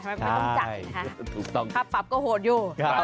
ไม่ต้องจัดครับปรับก็โหดอยู่